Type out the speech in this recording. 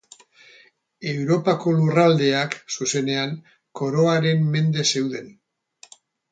Europako lurraldeak, zuzenean, Koroaren mende zeuden.